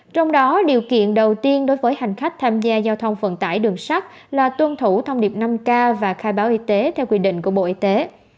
trong đó điều kiện đầu tiên đối với hành khách tham gia giao thông vận tải đường sắt là tuân thủ thông điệp năm k và khai báo y tế theo quy định của bộ y tế